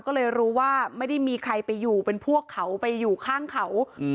ก็เลยรู้ว่าไม่ได้มีใครไปอยู่เป็นพวกเขาไปอยู่ข้างเขา